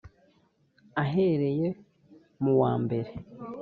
ahereye mu wa mbere